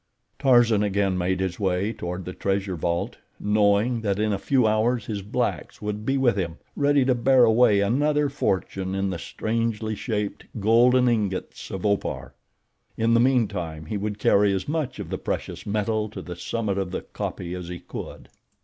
Tarzan again made his way toward the treasure vault, knowing that in a few hours his blacks would be with him, ready to bear away another fortune in the strangely shaped, golden ingots of Opar. In the meantime he would carry as much of the precious metal to the summit of the kopje as he could.